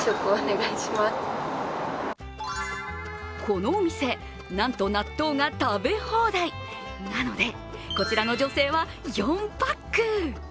このお店、なんと納豆が食べ放題なので、こちらの女性は４パック。